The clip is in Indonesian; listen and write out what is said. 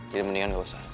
jadi mendingan gak usah